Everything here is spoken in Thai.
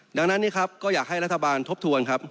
ดังนั้นนี่ครับก็อยากให้รัฐบาลทบทวนครับ